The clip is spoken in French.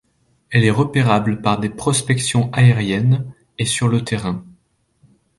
Elle est repérable par des prospections aériennes et sur le terrain.